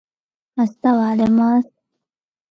明日は荒れます